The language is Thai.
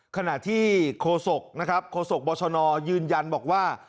ขณะที่โคโศกนะครับโคโศกบอยชนยืนยันบอกว่า